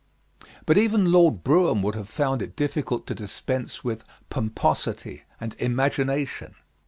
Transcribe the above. But even Lord Brougham would have found it difficult to dispense with pomposity and imagination."